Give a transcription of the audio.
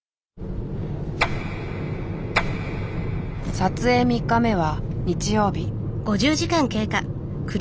撮影３日目は日曜日。